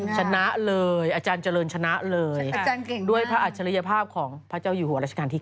ชนะเลยอาจารย์เจริญชนะเลยด้วยพระอัจฉริยภาพของพระเจ้าอยู่หัวราชการที่๙